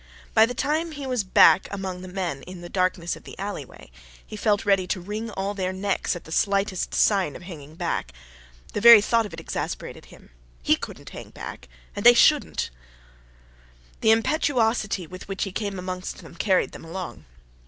By the time he was back amongst the men in the darkness of the alleyway, he felt ready to wring all their necks at the slightest sign of hanging back. The very thought of it exasperated him. He couldn't hang back. They shouldn't. The impetuosity with which he came amongst them carried them along.